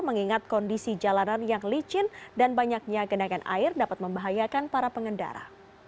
mengingat kondisi jalanan yang licin dan banyaknya genangan air dapat membahayakan para pengendara